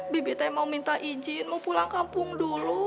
bibik teh mau minta izin mau pulang kampung dulu